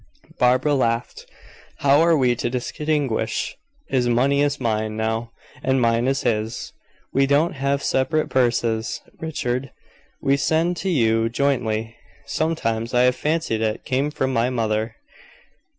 Barbara laughed. "How are we to distinguish? His money is mine now, and mine is his. We don't have separate purses, Richard; we send it to you jointly." "Sometimes I have fancied it came from my mother."